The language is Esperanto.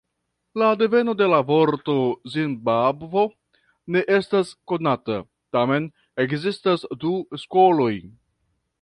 La deveno de la vorto "Zimbabvo" ne estas konata, tamen ekzistas du skoloj.